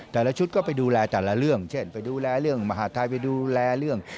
แต่ละชุดก็ไปดูแลแต่ละเรื่องเช่นไปดูแลเรื่องมหาดไทยไปดูแลเรื่อง